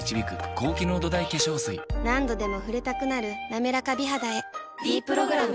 何度でも触れたくなる「なめらか美肌」へ「ｄプログラム」